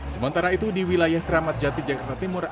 sementara itu di wilayah keramat jati jakarta timur